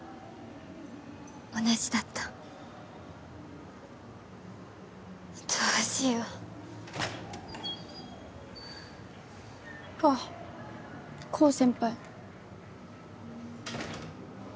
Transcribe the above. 同じだったどうしようあっコウ先輩